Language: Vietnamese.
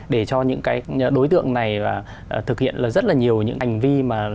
để cho những đối tượng này thực hiện rất nhiều hành vi